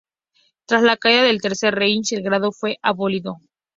Tras la caída del Tercer Reich, el grado fue abolido.